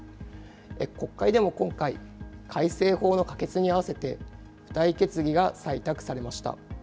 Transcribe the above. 国会でも今回、改正法の可決に合わせて、付帯決議が採択されました。